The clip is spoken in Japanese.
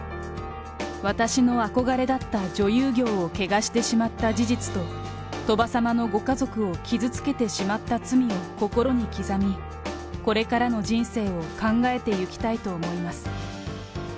私の憧れだった女優業を汚してしまった事実と、鳥羽様のご家族を傷つけてしまった罪を心に刻み、これからの人生を考えてゆきたいと思います。